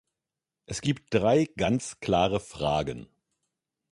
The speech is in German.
Es gibt drei ganz klare Fragen.